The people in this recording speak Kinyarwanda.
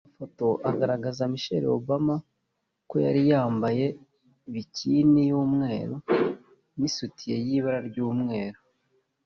Amafoto agaragaza Michelle Obama ko yari yambaye bikini y’umweru n’isutiye y’ibara ry’umweru